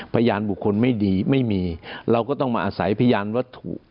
พยานบุคคลไม่ดีไม่มีเราก็ต้องมาอาศัยพยานวัตถุ